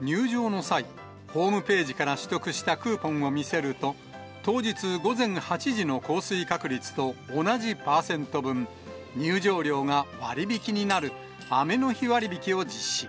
入場の際、ホームページから取得したクーポンを見せると、当日午前８時の降水確率と同じパーセント分、入場料が割引になる、雨の日割引を実施。